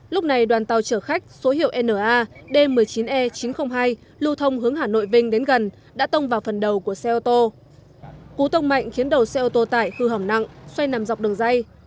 lúc này đoàn tàu chở khách số hiệu na d một mươi chín e chín trăm linh hai lưu thông hướng hà nội vinh đến gần đã tông vào phòng